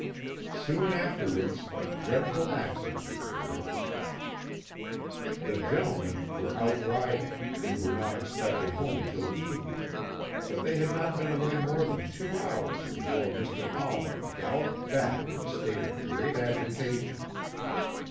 "Soon afterwards a dreadful accident occurred. "The gentlemen were out riding, and were not expected home till evening, but they had not been away more than two hours before Mr. Almer galloped back in a state of great agitation.